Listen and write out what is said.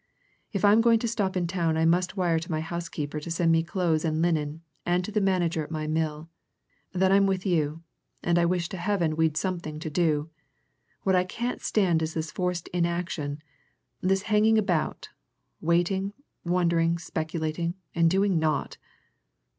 "If I'm going to stop in town I must wire to my housekeeper to send me clothes and linen, and to the manager at my mill. Then I'm with you and I wish to Heaven we'd something to do! What I can't stand is this forced inaction, this hanging about, waiting, wondering, speculating and doing naught!"